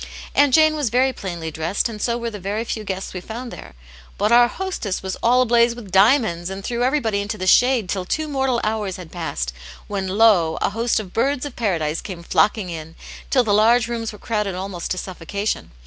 Aunt Jane was very plainly dressed, and so were the very few guests we found there ; but our hostess was all ablaze with diamonds, and threw everybody into the shade till two mortal hours had passed, when lo 1 a host of birds of Paradise came flocking in, till the large rooms were crowded almost to suffocation.